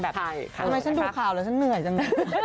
ทำไมฉันดูข่าวแล้วฉันเหนื่อยจัง